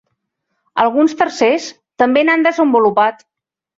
Alguns tercers també n'han desenvolupat.